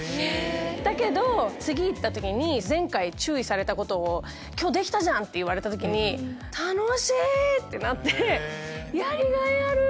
だけど次行った時に前回注意されたことを「今日できたじゃん」って言われた時に楽しい！ってなってやりがいある！